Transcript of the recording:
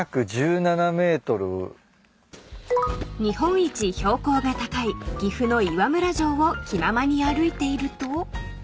［日本一標高が高い岐阜の岩村城を気ままに歩いていると］